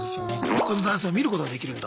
他の男性を見ることができるんだ？